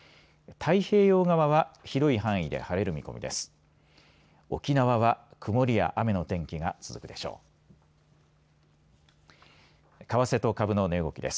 太平洋側は広い範囲で晴れる見込みです。